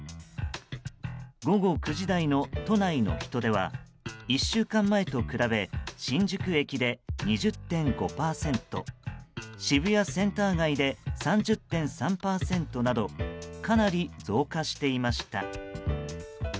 午後９時台の都内の人出は１週間前と比べ新宿駅で２０．５％渋谷センター街で３０．３％などかなり増加していました。